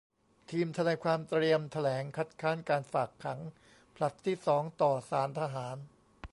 ทีมทนายความเตรียมแถลงคัดค้านการฝากขังผลัดที่สองต่อศาลทหาร